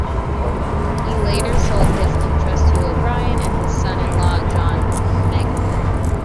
He later sold his interest to O'Brien and his son-in-law, John Magnier.